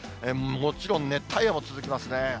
もちろん熱帯夜も続きますね。